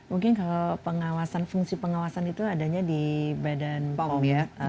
mungkin kalau pengawasan fungsi pengawasan itu adanya di badan pom ya